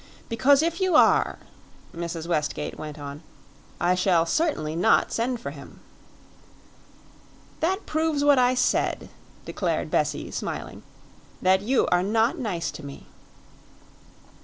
"Because if you are," Mrs. Westgate went on, "I shall certainly not send for him." "That proves what I said," declared Bessie, smiling "that you are not nice to me."